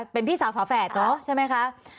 เป็นพี่สาวฝาแฝดเนอะใช่ไหมคะ